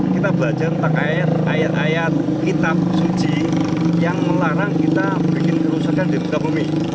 kita belajar tentang ayat ayat kitab suci yang melarang kita bikin kerusakan di buka bumi